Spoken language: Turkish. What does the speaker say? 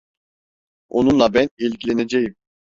Onunla ben ilgileneceğim.